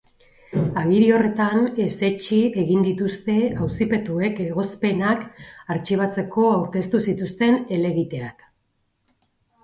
Agiri horretan, ezetsi egin dituzte auzipetuek egozpenak artxibatzeko aurkeztu zituzten helegiteak.